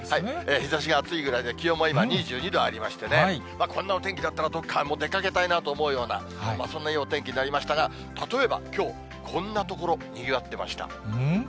日ざしが暑いぐらいで、気温も今２２度ありましてね、こんなお天気だったら、どっか出かけたいなと思うような、そんないいお天気になりましたが、例えばきょう、こんな所、にぎわってました。